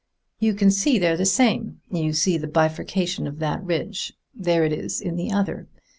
"You can see they're the same. You see the bifurcation of that ridge. There it is in the other.